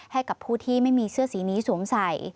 ให้กับผู้ที่ไม่มีเสื้อสีนี้สวมใส่